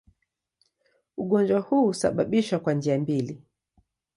Ugonjwa huu husababishwa kwa njia mbili.